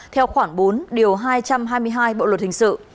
theo khoảng bốn điều hai trăm hai mươi hai bộ luật hình sự